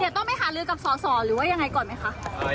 เดี๋ยวต้องไปหาลือกับสอสอหรือว่ายังไงก่อนไหมคะ